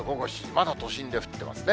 まだ都心で降ってますね。